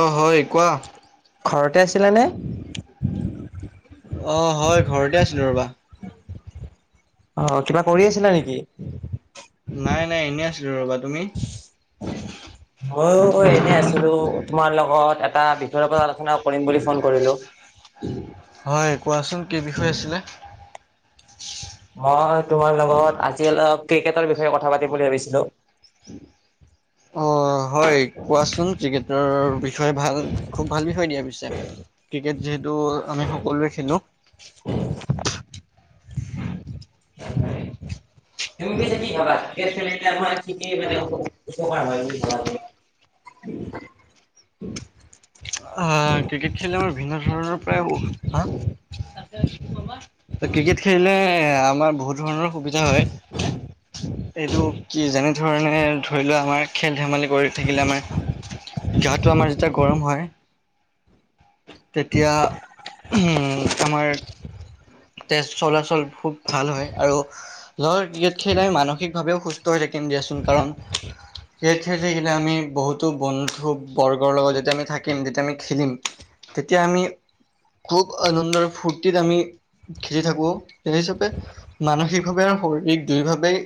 অ' হয়, কোৱা। ঘৰতে আছিলা নে? অ', হয় ঘৰতে আছিলো ৰ'বা। অ', কিবা কৰি আছিলা নেকি? নাই নাই, এনেই আছিলো ৰ'বা, তুমি? মইও এনে আছিলো, তোমাৰ লগত এটা বিষয়ৰ ওপৰত আলোচনা কৰিম বুলি ফোন কৰিলো। হয়, কোৱাচোন কি বিষয় আছিলে। মই তোমাৰ লগত আজি অলপ ক্ৰিকেটৰ বিষয়ে কথা পাতিম বুলি ভাবিছিলোঁ। অ', হয় কোৱাচোন ক্ৰিকেটৰ বিষয়ে ভাল খুব ভাল বিষয় দিয়া পিছে ক্ৰিকেট যিহেতু আমি সকলোৱে খেলো। কি খ খ [unintelligible] উ। আহ ক্ৰিকেট খেলিলে আমাৰ ভিন্ন ধৰণৰ প্ৰায় ক্ৰিকেট খেলিলে আমাৰ বহুত ধৰণৰ সুবিধা হয়। এইটো কি যেনে ধৰণে ধৰি লোৱা আমাৰ খেল ধেমালি কৰি থাকিলে আমাৰ গাটো আমাৰ যেতিয়া গৰম হয় তেতিয়া আমাৰ তেজ চলাচল খুব ভাল হয় আৰু লৰ ক্ৰিকেট খেলাই মানসিকভাৱেও সুস্থ হৈ দিয়াচোন কাৰণ সেই থে আমি বহুতো বন্ধু বৰ্গৰ লগত যেতিয়া আমি থাকিম যেতিয়া আমি খেলিম তেতিয়া আমি খুব আনন্দ আৰু ফূৰ্তিত আমি খেলি থাকো স হিচাপে মানসিকভাৱে আৰু শাৰীৰিক দুইভাৱেই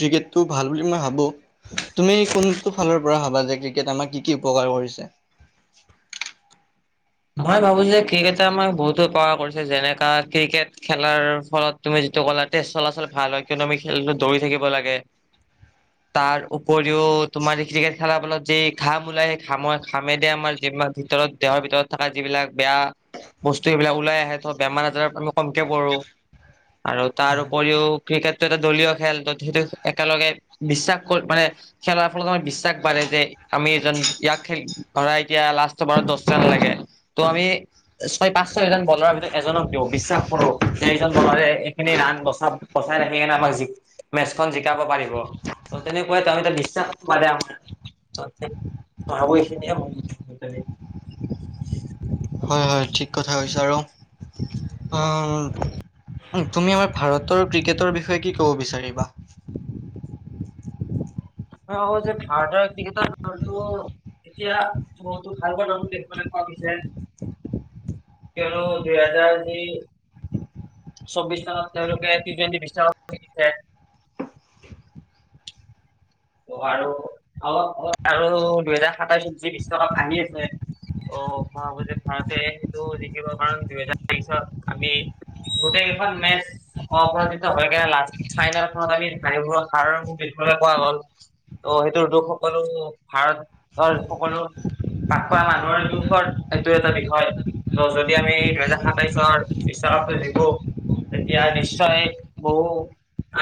ক্ৰিকেটটো ভাল বুলি মই ভাবো। তুমি কোনটো ফালৰ পৰা ভাবা যে ক্ৰিকেট আমাৰ কি কি উপকাৰ কৰিছে? [inaudible] মই ভাবো যে ক্ৰিকেটে আমাক বহুতো উপকাৰ কৰিছে যেনেকা ক্ৰিকেট খেলাৰ ফলত তুমি য চলাচল ভাল হয় কিয়নো আমি খেল দৌৰি থাকিব লাগে তাৰ কৰিও তোমাৰ ক্ৰিকেট খেলা বলত যি ঘাম ওলাই সেই খামৰ খামে দ আমাৰ যিমান ভিতৰত দেহৰ ভিতৰত থকা যিবিলাক বেয়া বস্তু এইবিলাক ওলাই আহে ত বেমাৰ আজাৰত আম কমকে পঢ়ো আৰু তাৰ হয় উপৰিও ক্ৰিকেটটো এটা দলীয় খেল ত সেইটো একেলগে বিশ্বাস মানে খেলৰ ফলত বিশ্বাস বাঢ়ে যে আমি এজন ইয়াকেল ধৰা এতিয়া লাষ্ট বাৰ দহজন লাগে ত' আমি ছয় পাঁচ ছয়জন বলাৰৰ ভিতৰত এজনক দিওঁ বিশ্বাস কৰো। চাৰিজন বলাৰে এইখিনি ৰাণ বচ বচাই ৰাখিনে আমাক জ মেচখন জিকাব পাৰিব তেনেকুৱাই ত' আমি ত' বিশ্বাস পাদে [unintelligible] আমাৰ ত বখ [unintelligible] হয় হয় ঠিক কথা কৈছা, আৰু তুমি আমাৰ ভাৰত ক্ৰিকেটৰ বিষয়ে কি ক'ব বিচাৰিবা? যে ভাৰতৰ ক্ৰিকেটৰ [unintelligible] এতিয়া বহুতো ভালোৱা নটো দেখিব তেওঁৰো দুহাজাৰ দি চৌবিশ চনত তেওঁলোকে টি টুৱেণ্টি বিশ্বকাপ জিকিছে। অ', আৰু অ', আৰু দুহেজাৰ সাতাইশত যি বিশ্বকাপ আহি আছে অ', মহজ ভাৰতে সেইটো জিকিব কাৰণ দুহেজাৰ তেইশত আমি গোটেই খন মেচ অপৰাজিত হয়কিনে ফাইনেলখনত আমি হাৰিবলৈ হাৰৰ মুখ দেখিবলৈ পোৱা গ'ল। ত' সেইটোৰ দুখ সকলো ভাৰতৰ সকলো পাক খোৱা মানুহৰ দুখৰ এইটো এটা বিষয় ত' যদি আমি দুহেজাৰ সাতাইশৰ বিশ্বকাপটো জিকো তেতিয়া নিশ্চয় বহু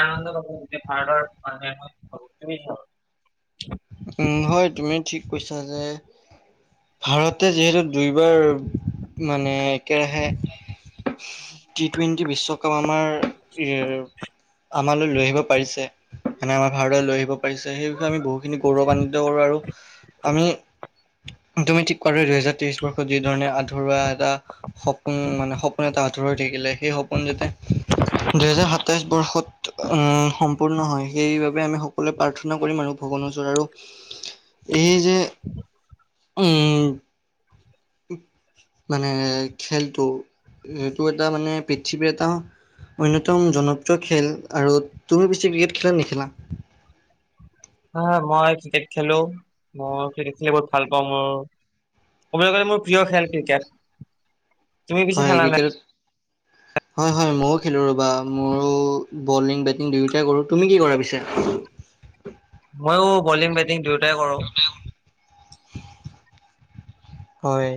আনন্দ পয [unintelligible] গোটেই ভাৰতৰ মানুহে উ [unintelligible] উম, হয় তুমি ঠিক কৈছা যে। ভাৰতে যিহেতু দুইবাৰ মানে একেৰাহে উ [unintelligible] টি টুৱেণ্টি বিশ্বকাপ আমাৰ, আমালৈ লৈ আহিব পাৰিছে। মানে আমাৰ ভাৰতলৈ লৈ আহিব পাৰিছে সেই বিষয়ে আমি বহুখিনি গৌৰৱান্বিত কৰো আৰু আমি তুমি ঠিক কোৱা দুইহেজাৰ তেইশ বৰ্ষত যি ধৰণে আধৰুৱা এটা সপোন মানে সপোন এটা আঁতৰি থাকিলে সেই সপোন যাতে দুহেজাৰ সাতাইশ বৰ্ষত সম্পূৰ্ণ হয় সেইবাবে আমি সকলোৱে প্ৰাৰ্থনা কৰিম আৰু ভগৱৰ ওচৰতৰ আৰু। এই যে উম, মানে খেলটো এইটো এটা মানে পৃথিৱীৰ এটা অন্যতম জনপ্ৰিয় খেল আৰু তুমি বেছি ক্ৰিকেট খেলা নেখেলা? হ মই ক্ৰিকেট খেলো মই ক্ৰিকেট খেলি বহুত ভাল পাওঁ মোৰ ক'বলৈ গ'লে মোৰ প্ৰিয় খেল ক্ৰিকেট তুমি পিছে খেলা নাই। [unintelligible] হয়-হয় ময়ো খেলো ৰবা মইো বলিং, বেটিং দুয়োটাই কৰো তুমি কি কৰা পিছো? ময়ো বলিং, বেটিং দুয়োটাই কৰোঁ। [inaudible] হয়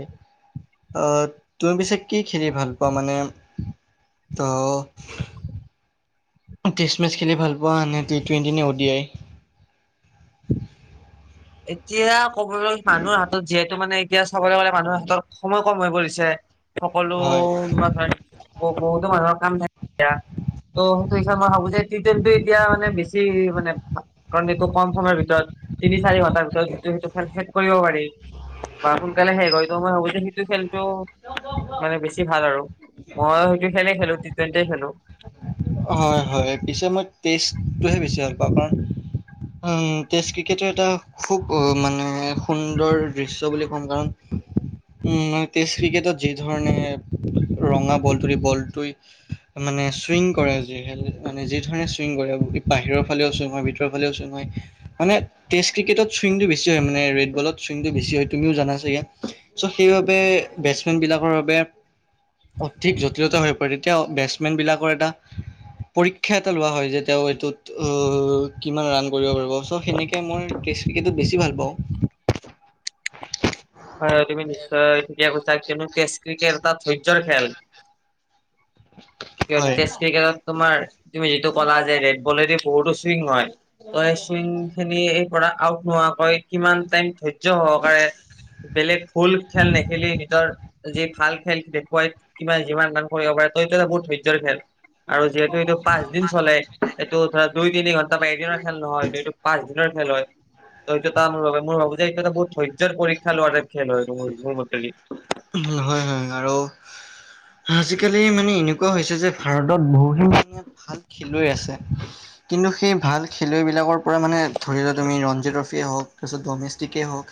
আহ তুমি পিছে কি খেলি ভাল পোৱা মানে? তো ক্ৰীষ্টমেছ খেলি ভাল পোৱা নে টি টুৱেণ্টি নে অডিয়াই? এতিয়া কবলৈ মানুহৰ হাতত যিহেতু মানে এতিয়া চাবলৈ গ'লে মানুহে সহতৰ সময় কম হৈ পৰিছে। হয় সকলোয় বহুতো মানুহৰ কাম থাকেয়া ত সেইটো হিচই হাবব যায়তি তেন্ত এতিয়া মানে বেছি মানে ভা কাৰণ এইটো কম সময়ৰ ভিতৰত তিনি-চাৰি ঘ ন্টাৰ ভিতৰত যিটো সেইটো খেল শেষ কৰিব পাৰি বা সোনকালে শেষ হয়টো মই ভাবো যে সেইটো খেল টো মানে বেছি ভাল আৰু। মই সেইটো খেলেই খেলো টি- টুৱেণ্টিয়ে খেলো। হয় হয়, পিছে মই টেষ্টটোহে বেছি ভাল পাওঁ কাৰণ উম টেষ্ট ক্ৰিকেটৰ এটা খুব মানে সুন্দৰ দৃশ্য বুলি কম কাৰণ উম মানে টেষ্ট ক্ৰিকেটত যি ধৰণে ৰঙা বলটোদি বলটোই মানে চুইং কৰে যে মানে যি ধৰণে চুইং কৰে। বাহিৰৰ ফালেও চুইং হয়, ভিতৰৰ ফালেও চুইং হয় মানে টেষ্ট ক্ৰিকেটত চুইঙটো বেছি হয় মানে ৰেডবলত চুইঙটো বেছি হয়, তুমিও জানা চাগে। চ' সেইবাবে বেট্ছমেন বিলাকৰ বাবে অধিক জটিলতা হৈ পৰে তেতিয়া বেট্ছমেন বিলাকৰ এটা পৰীক্ষা এটা লোৱা হয় যে তেওঁ এইটোত অ কিমান ৰাণ কৰিব পাৰি ব চ' সেনেকে মই টেষ্ট ক্ৰিকেটটো বেছি ভাল পাওঁ। হয় তুমি নিশ্চয় থিকে কৈ চা কিন্তু টেষ্ট ক্ৰিকেট এটা ধৈৰ্যৰ খেল। সিহঁতে হয়। টেষ্ট ক্ৰিকেটত তোমাৰ তুমি যিটো ক'লা যে ৰেড বলেদি বহুতো চুইং হয়। ত' সেই চুইং খিনি এই পৰা আউট নোহাকৈ কিমান টাইম ধৈৰ্য্য সহকাৰে ফুল খেল নেখেলি নিজৰ যি ভাল খে খেল দেখুৱাই কিমা যিমান মান কৰিব পাৰে ত' ইটো এটা বহুত ধৈৰ্যৰ খেল। আৰু যিহেতু এইটো পাঁচ দিন চলে। এইটো ধৰা দুই-তিনি ঘণ্টা বা এদিনৰ খেল নহয়, এইটো এইটো পাঁচ দিনৰ খেল হয়। ত' সেটো এটা মোৰ বাবে মোৰ ভাবো যে এইটো এটা বহুত ধৈৰ্য্যৰ পৰীক্ষা লোৱা টাইপ খেল হয়, মোৰ মতেদি। উম হয় হয় হয় আৰু আজিকালি মানে এনেকুৱা হৈছে যে ভাৰতত বহুখিনি য়ে ভাল খেলুৱৈ আছে। কিন্তু সেই ভাল খেলুৱৈবিলাকৰ পৰা মানে ধৰি লোৱা তুমি ৰঞ্জী ট্ৰফিয়েই হওক তাৰপিছত ডমেষ্টিকেই হওক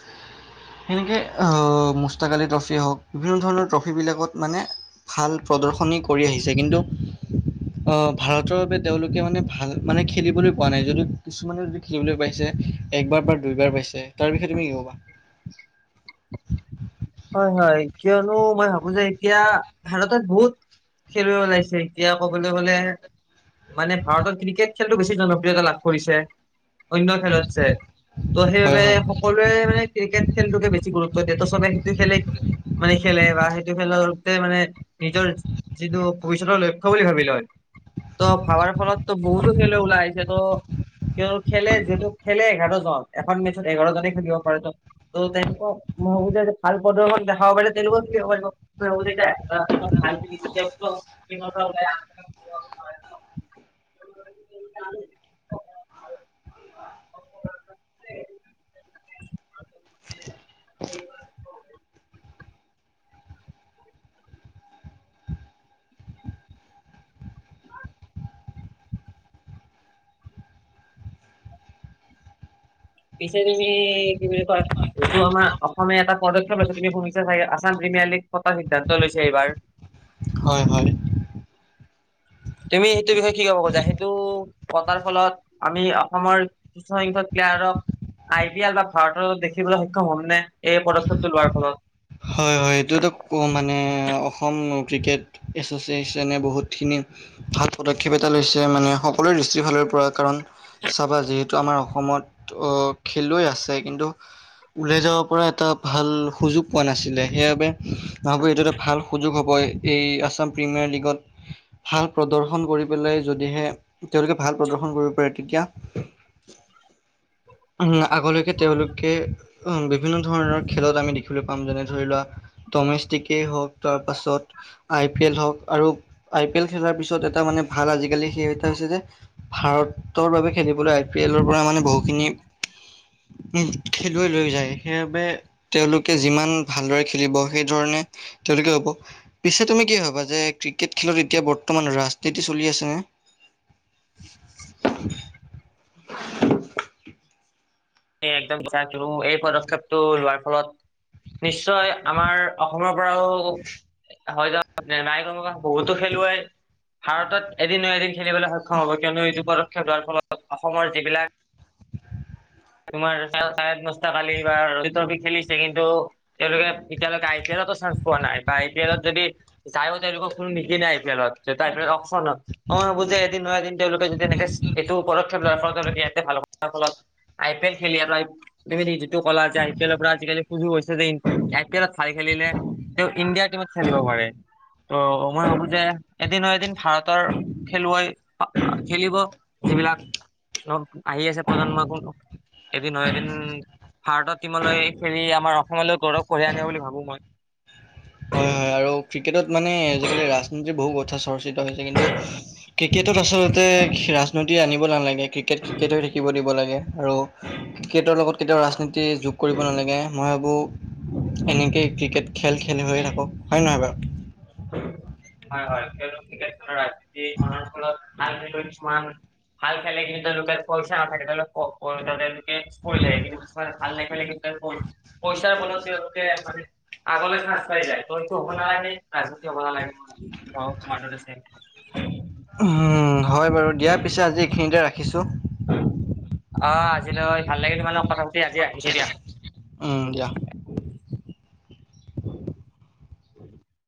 সেনেকে আহ মুস্তাক আলী ট্ৰ ফিয়ে হওক বিভিন্ন ধৰণৰ ট্ৰফীবিলাকত মানে ভাল প্ৰদৰ্শনী কৰি আহিছে। কিন্তু অ ভাৰতৰ বাবে তেওঁলোকে মানে ভাল মানে খেলিবলৈ পোৱা নাই যদিও কিছুমানে যদি খেলিবলৈ পাইছে একবাৰ বা দুইবাৰ পাইছে। তাৰ বিষয়ে তুমি কি ক'বা? [inaudible] হয় হয়, কিয়নো মই ভাবো যে এতিয়া ভাৰতত বহুত খেলুৱৈ ওলাইছে। এতিয়া কবলৈ গ'লে মানে ভাৰতত ক্ৰিকেট খেলটো বেছি জনপ্ৰিয়তা লাভ কৰিছে অন্য খেলতছে। ত' হয় সেইবাবে হয় সকলোৱে মানে ক্ৰিকেট খেলটোকে বেছি গুৰুত্ব দিয়ে ত' চবে খেলেই মানে খেলে বা সেইটো খেল টোৱে মানে নিজৰ যিটো ভৱিষ্যতৰ লক্ষ্য বুলি ভাবি লয়। ত' ভাবাৰ ফলততো বহুতো খেলুৱৈ ওলাই আহিছে ত' সিহত খেলে যিহেতু খেলে এঘাৰ জন। এখন মেট্চত এঘাৰ জনে খেলিব পাৰে ত', ত' তেনকোৱা [unintelligible] ভাল পদৰ্শন দেখাব পাৰিলে তেনেকোৱা [unintelligible] [unintelligible] [unintelligible] [unintelligible] পিছে তুমি কি বুলি কয় এইটো আমাৰ অসমীয়া এটা পদক্ষেপ আছে তুমি শুনিছা চাগে আছাম [unintelligible] পতা সিদ্ধান্ত লৈছে এইবাৰ। হয় হয়। [inaudible] তুমি তুমি সেই কিবা কৰিছা সেইটো থকাৰ ফলত আমি অসমৰ কিছুমান বিশিষ্ট প্লেয়াৰক আই পি এল বা ভাৰতৰ দেখিবলৈ সক্ষম হয় মানে এই পদক্ষেপটো লোৱাৰ ফলত হয় হয় এইটো তো ক মানে অসম ক্ৰিকেট এছচিয়েচনে বহুতখিনি ভাল পদক্ষেপ এটা লৈছে মানে সকলোৱে দৃষ্টিফালৰ কাৰণ চাবা যিহেতু আমাৰ অসমত অ খেলুৱৈ আছে কিন্তু উলাই যাব পৰা এটা ভাল সুযোগ পোৱা নাছিলে সেইবাবে ভাবো এইটো এটা ভাল সুযোগ হ'ব এই আছাম প্ৰিমিয়াৰ লীগত ভাল প্ৰদৰ্শন কৰি পেলাই যদিহে তেওঁলোকে ভাল প্ৰদৰ্শন কৰিব পাৰে তেতিয়া [inaudible] উম আগলৈকে তেওঁলোকে উম বিভিন্ন ধৰণৰ খেলত আমি দেখি দেখলৈ পাম যেনে ধৰি লোৱা টমেষ্টিকেই হওক তাৰ পাছত আই পি এল হওক আৰু আই পি এল খেলাৰ পিছত এটা মানে ভাল আজিকালি সেই এটা হৈছে যে ভাৰতৰ বাবে খেলিবলৈ আই পি এলৰ পৰা মানে বহুত খিনি খেলুৱৈ লৈ যায় সেই বাবে তেওঁলোক যিমান ভালদৰে খেলিব সেই ধৰণে তেওঁলোকে হ'ব। পিছে তুমি কি হবা যে ক্ৰিকেট খেলি এতিয়া বৰ্তমান ৰাজনীতি চলি আছেনে? [inaudible] একদম এই পদক্ষেপটো লোৱাৰ ফলত নিশ্চয় আমাৰ অসমৰ পৰাও হয় য নাই বহুতো খেলুৱৈ ভাৰতত এদিন ন এদিন খেলিবলৈ সক্ষম হব কিয়নো এইটো ফলত অসমৰ যিবিলাক তোমাৰ চাৰে নস্তা কালি বা ৰোহিত ট্ৰফি খেলিছে কিন্তু তেওঁলোকে এতিয়ালৈকে আই পি এলত ছানছ পোৱা নাই বা আ পি এলত যদি যায়ও তেওঁলোক কোনো নিশিকা নাই আই পি এলত অ ময়ো ভাবোযে এদিন ন তেওঁলোকে যদি এনেকে এইটো পদক্ষেপ লোৱাৰ ফলত তেওঁলোকে ইয়াতে ভাল হ'ব। তাৰ ফলত। আই পি এল খেলিা তুমি যিটো কলা যেই পি এৰ পৰা আজিকালি সুজু হৈছে যে আই পি এলত। খেলিলে তেওঁ ইণ্ডিয়াৰ টিমত খেলিব পাৰে। ত' মই ভাবো যে এদিনৰ এদিন ভাৰতৰ খেলুৱৈ খেলিব যিবিলাক আহি আছে প্ৰজন্ম এদিন এদিন ভাৰতৰ টিমলৈ খেলি আমাৰ অসমলৈ গৌৰৱ কঢ়িয়াই আনে বুলি ভাবো মই। হয় হয় আৰু ক্ৰিকেটত মানে আজিকালি ৰাজনীতিৰ বহু চৰ্চিত হৈছে কিন্তু ক্ৰিকেটত আচলতে ৰাজনীতি আনিব নালাগে। ক্ৰিকেট ক্ৰিকেট হৈ থাকিব দিব লাগে। আৰু ক্ৰিকেটৰ লগত কেতিয়াও ৰাজনীতি যোগ কৰিব নালাগে মই ভাবো এনেকেই ক্ৰিকেট খেল খেল হৈ থাকক হয়ে নহয় বাৰু? হয় হয় খেল খেল ৰাজনীতি অনাৰ ফলত কিছুমান হাল খেলে কিন্তু লোক পইচা নাথাকে কৰি থে কিন্তু কিছুমান ভাল দেখে কিন্তু পইচাৰ মানে আগলৈ চাঞ্চ পাই যায় টো এইটো হ'ব নালাগে ৰাজনীতি হ'ব নালাগে। হ মলে চাৰ উম হয় বাৰু দিয়া পিছে আজি এইখিনিতে ৰাখিছোঁ। অ আজিলৈ ভাল লাগিলো মান কথা পাতি আজি ৰাখিছো দিয়া। উম দিয়া। উম,